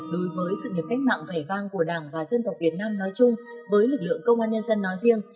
đối với sự nghiệp cách mạng vẻ vang của đảng và dân tộc việt nam nói chung với lực lượng công an nhân dân nói riêng